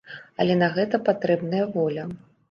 Але на гэта патрэбная воля.